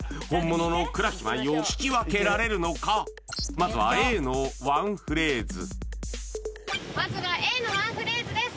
まずはまずはＡのワンフレーズです